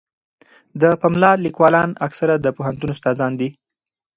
د پملا لیکوالان اکثره د پوهنتون استادان دي.